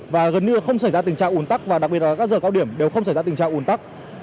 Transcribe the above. và gần như không xảy ra tình trạng ủn tắc và đặc biệt đó các giờ cao điểm đều không xảy ra tình trạng ủn tắc